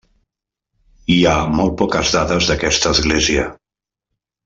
Hi ha molt poques dades d'aquesta església.